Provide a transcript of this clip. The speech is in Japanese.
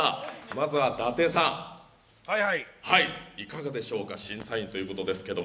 まずは伊達さん、いかがでしょうか、審査員ということですけど。